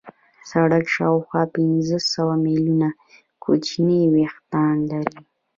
سږي شاوخوا پنځه سوه ملیونه کوچني وېښتان لري.